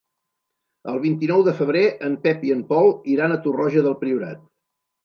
El vint-i-nou de febrer en Pep i en Pol iran a Torroja del Priorat.